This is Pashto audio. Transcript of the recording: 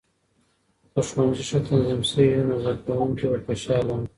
که ښوونځي ښه تنظیم شوي وي، نو زده کونکې به خوشاله وي.